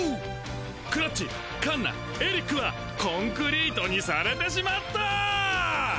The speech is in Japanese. クラっちカンナエリックはコンクリートにされてしまったぁぁぁぁぁ！